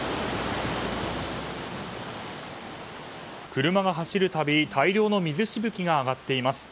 車が走る度、大量の水しぶきが上がっています。